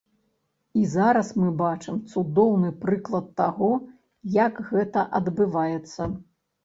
І зараз мы бачым цудоўны прыклад таго, як гэта адбываецца.